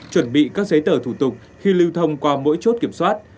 chuẩn bị các giấy tờ thủ tục khi lưu thông qua mỗi chốt kiểm soát